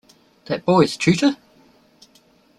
That boy's tutor?